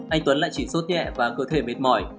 anh tuấn lại chỉ sốt nhẹ và cơ thể mệt mỏi